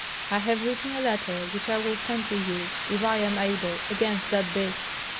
I have written a letter, which I will send to you, if I am able, against that beast."